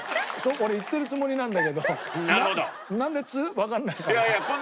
俺言ってるつもりなんだけどなんでわかんないかな？